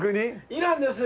イランです！